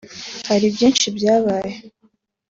Hari byinshi byabaye